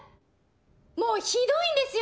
もうひどいんですよ